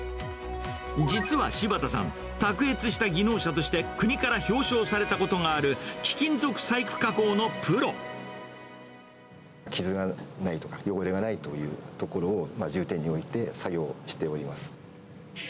実は柴田さん、卓越した技能者として、国から表彰されたことがある、貴金属細工傷がないとか、汚れがないというところを、重点に置いて作業しております。